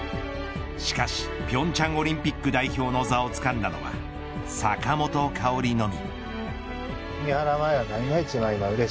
しかし、平昌オリンピック代表の座をつかんだのは坂本花織のみ。